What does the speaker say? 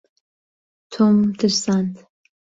تۆمم ترساند.